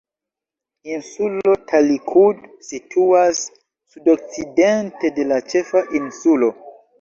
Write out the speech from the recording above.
Insulo Talikud situas sudokcidente de la ĉefa insulo.